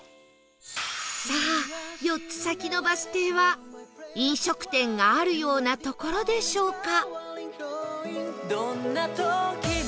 さあ４つ先のバス停は飲食店があるような所でしょうか？